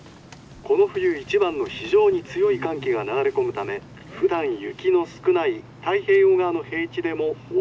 この冬一番の非常に強い寒気が流れ込むためふだん雪の少ない太平洋側の平地でも大雪となるおそれがあります。